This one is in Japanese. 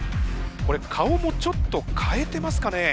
これ顔もちょっと変えてますかね。